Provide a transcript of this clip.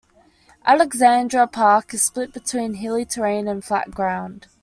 Alexandra Park is split between hilly terrain and flat ground.